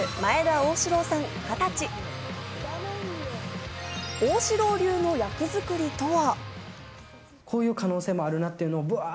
旺志郎流の役作りとは？